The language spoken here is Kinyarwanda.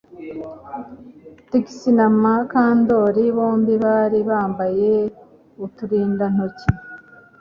Trix na Mukandoli bombi bari bambaye uturindantoki